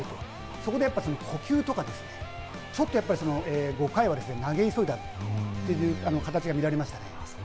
そこで呼吸とか、ちょっと５回は投げ急いだという形が見られましたね。